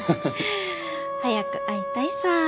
早く会いたいさー。